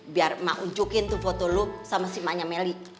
biar mak unjukin tuh foto lo sama si maknya meli